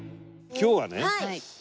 今日はね